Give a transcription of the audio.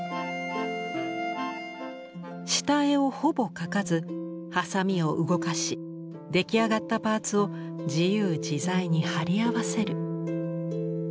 下絵をほぼ描かずハサミを動かし出来上がったパーツを自由自在に貼り合わせる。